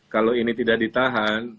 kalau ini tidak ditahan